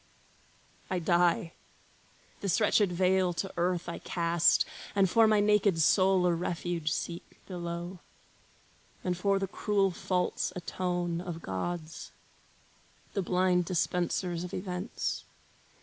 I die! This wretched veil to earth I cast, And for my naked soul a refuge seek Below, and for the cruel faults atone Of gods, the blind dispensers of events.